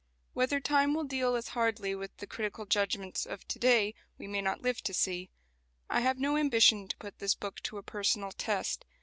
Whether time will deal as hardly with the critical judgments of to day we may not live to see. I have no ambition to put this book to a personal test.